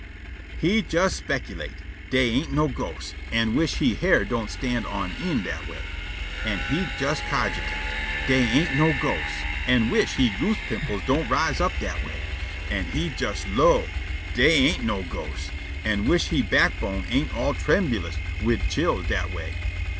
He jes speculate', "Dey ain't no ghosts," an' wish' he hair don't stand on ind dat way. An' he jes cogitate', "Dey ain't no ghosts," an' wish' he goose pimples don't rise up dat way. An' he jes 'low', "Dey ain't no ghosts," an' wish' he backbone ain't all trembulous wid chills dat way.